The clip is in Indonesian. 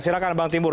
silakan bank timbul